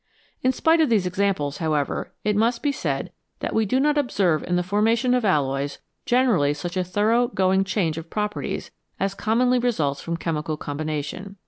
In spite of these examples, however, it must be said that we do not observe in the formation of alloys generally such a thorough going change of properties as commonly results from chemical combination.